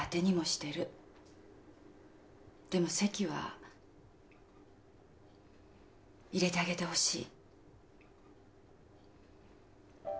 でも籍は入れてあげてほしい。